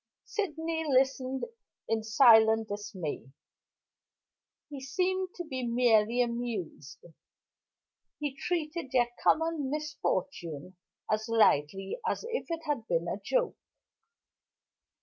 Sydney listened in silent dismay. He seemed to be merely amused; he treated their common misfortune as lightly as if it had been a joke.